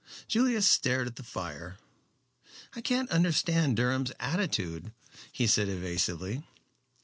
Julius stared at the fire. "I can't understand Durham's attitude," he said evasively.